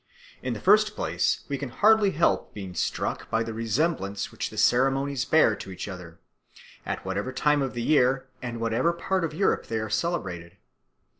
In the first place we can hardly help being struck by the resemblance which the ceremonies bear to each other, at whatever time of the year and in whatever part of Europe they are celebrated.